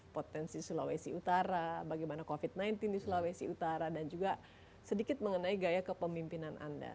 potensi sulawesi utara bagaimana covid sembilan belas di sulawesi utara dan juga sedikit mengenai gaya kepemimpinan anda